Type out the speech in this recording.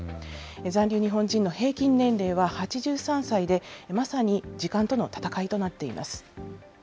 残留日本人の平均年齢は８３歳で、まさに時間との闘いとなっています。